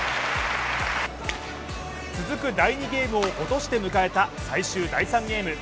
続く第２ゲームを落として迎えた最終第３ゲーム。